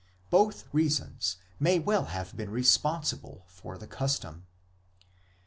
Both reasons may well have been responsible for the custom.